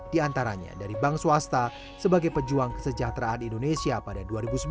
di antaranya dari bank swasta sebagai pejuang kesejahteraan indonesia pada dua ribu sembilan belas